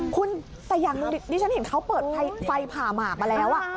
คุณแต่อย่างหนึ่งดิฉันเห็นเขาเปิดไฟผ่าหมากมาแล้ว